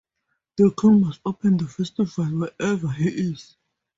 The king must open the festival wherever he is.